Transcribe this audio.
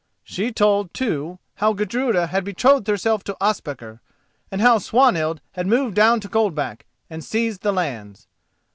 She told, too, how Gudruda had betrothed herself to Ospakar, and how Swanhild had moved down to Coldback and seized the lands.